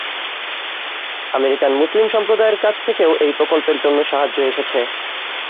American-Muslim সম্প্রদায়ের কাছ থেকেও এই প্রকল্পের জন্য সাহায্য এসেছে।